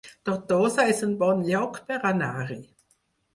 Tortosa es un bon lloc per anar-hi